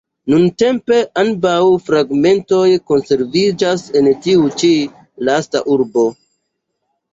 Nuntempe ambaŭ fragmentoj konserviĝas en tiu ĉi lasta urbo.